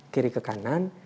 kiri ke kanan